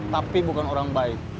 tapi bukan orang baik